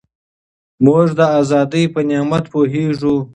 موږ د ازادۍ په نعمت پوهېږو.